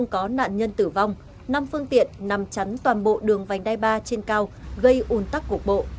có nạn nhân tử vong năm phương tiện nằm chắn toàn bộ đường vành đai ba trên cao gây ủn tắc cục bộ